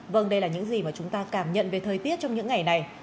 vâng đây là những gì mà chúng ta cảm nhận về thời tiết trong những ngày này